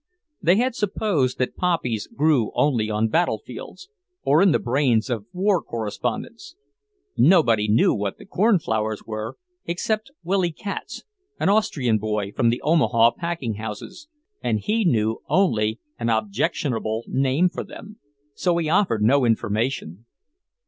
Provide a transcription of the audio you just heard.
They had supposed that poppies grew only on battle fields, or in the brains of war correspondents. Nobody knew what the cornflowers were, except Willy Katz, an Austrian boy from the Omaha packing houses, and he knew only an objectionable name for them, so he offered no information.